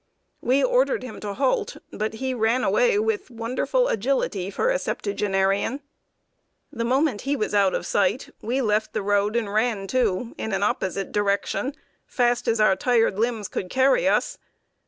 We ordered him to halt; but he ran away with wonderful agility for a septuagenarian. The moment he was out of sight, we left the road, and ran, too, in an opposite direction, fast as our tired limbs could carry us.